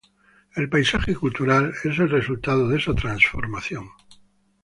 El paisaje cultural es el resultado de esa transformación.